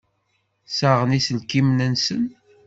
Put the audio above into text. Ssaɣen iselkimen-nsen.